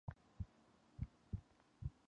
Allen was commissioned its colonel.